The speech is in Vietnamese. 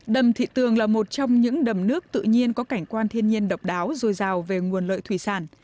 đầm thị tường là một trong những đầm nước tự nhiên có cảnh quan thiên nhiên độc đáo dồi dào về nguồn lợi thủy sản